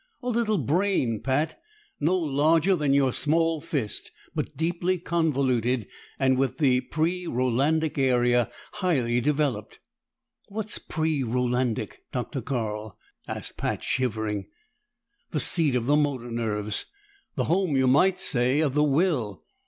A little brain, Pat no larger than your small fist, but deeply convoluted, and with the pre Rolandic area highly developed." "What's pre Rolandic, Dr. Carl?" asked Pat, shivering. "The seat of the motor nerves. The home, you might say, of the will.